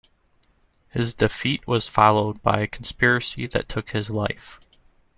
His defeat was followed by a conspiracy that took his life.